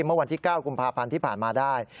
เมื่อวันที่๙กุมภาพันธ์ที่ผ่านมาได้